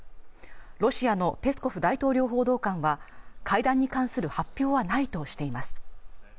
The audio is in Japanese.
ロシアのペスコフ大統領報道官は会談に関する発表はないとしています